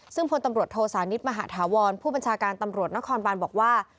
ซึ่งพลตำรวจโทสานิทมหาธาวรผู้บัญชาการตำรวจนครบานบอกว่า